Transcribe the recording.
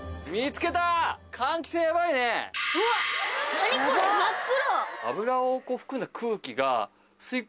何これ真っ黒。